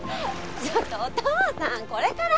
ちょっとお父さんこれから？